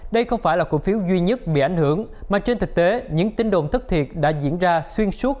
đây không phải là cổ phiếu duy nhất bị ảnh hưởng mà trên thực tế những tin đồn thất thiệt đã diễn ra xuyên suốt